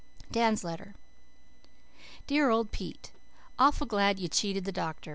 DAN'S LETTER "DEAR OLD PETE: Awful glad you cheated the doctor.